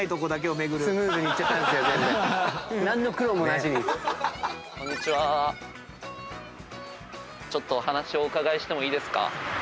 お話をお伺いしてもいいですか？